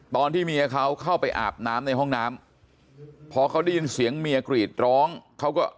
ตอนที่เมียเขาเข้าไปอาบน้ำในห้องน้ำพอเขาได้ยินเสียงเมียกรีดร้องเขาก็